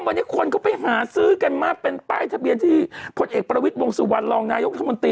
วันนี้คนก็ไปหาซื้อกันมากเป็นป้ายทะเบียนที่พลเอกประวิทย์วงสุวรรณรองนายกรัฐมนตรี